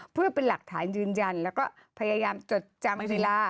เพื่อเป็นหลักฐานยืนยันแล้วก็พยายามจดจำเวลา